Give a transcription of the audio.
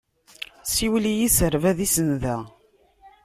Siwel i yiserba, d isenda!